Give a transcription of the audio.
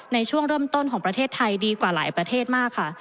ในช่วงเริ่มต้นของประเทศไทยดีกว่าหลายประเทศมากค่ะ